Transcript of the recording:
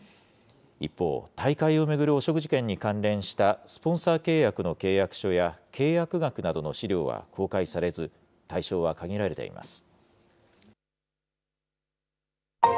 一方、大会を巡る汚職事件に関連したスポンサー契約の契約書や契約額などの資料は公開されず、対象は限られています。